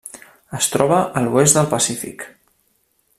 Es troba a l'oest del Pacífic.